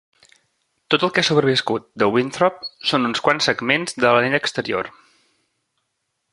Tot el que ha sobreviscut de Winthrop són uns quants segments de l"anella exterior.